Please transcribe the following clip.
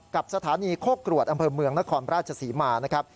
กับสถานีโค้กกลวดอำเภอเมืองนครราชสีมา